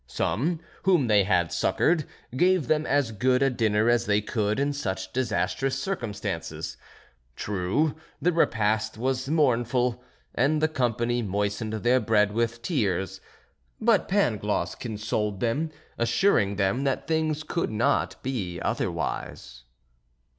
Some, whom they had succoured, gave them as good a dinner as they could in such disastrous circumstances; true, the repast was mournful, and the company moistened their bread with tears; but Pangloss consoled them, assuring them that things could not be otherwise.